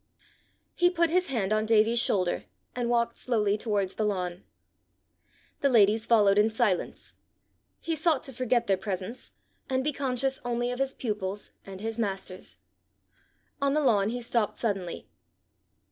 He put his hand on Davie's shoulder, and walked slowly towards the lawn. The ladies followed in silence. He sought to forget their presence, and be conscious only of his pupil's and his master's. On the lawn he stopped suddenly.